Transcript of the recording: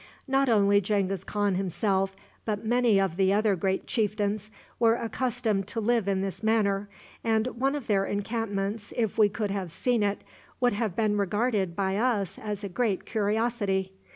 Not only Genghis Khan himself, but many of the other great chieftains, were accustomed to live in this manner, and one of their encampments, if we could have seen it, would have been regarded by us as a great curiosity.